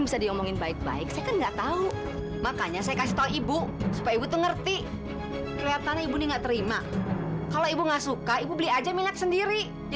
sampai jumpa di video selanjutnya